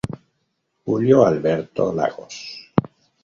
Julio Alberto Lagos".